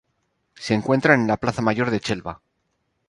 Se encuentra en la Plaza Mayor de Chelva.